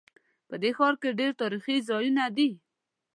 په دې ښار کې ډېر تاریخي ځایونه دي